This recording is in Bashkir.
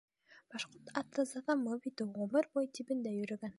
— Башҡорт аты сыҙамлы бит ул, ғүмер буйы тибендә йөрөгән.